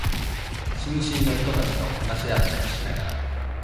新進の人たちと話し合ったりしながら、